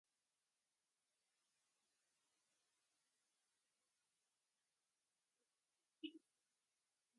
Frank se da cuenta de que se ha convertido en una víctima.